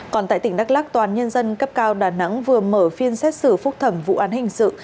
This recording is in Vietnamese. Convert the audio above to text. còn tại tỉnh đắk lắc tòa án nhân dân cấp cao đà nẵng vừa mở phiên xét xử phúc thẩm vụ án hình sự